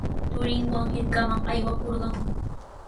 Turinwan hirkaman aywakurqan.